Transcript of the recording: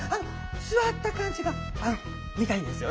座った感じが見たいんですよね？